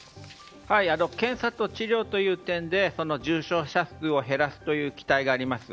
検査と治療という点で重症者数を減らすという期待があります。